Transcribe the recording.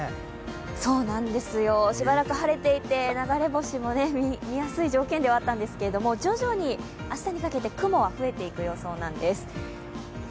そうなんですよ、しばらく晴れていて、流れ星も見やすい条件ではあったんですけど、徐々に明日にかけて雲は増えていく予想なんです。